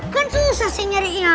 kan susah sih nyari hilang